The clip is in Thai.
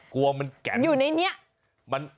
กลัวมันแก่น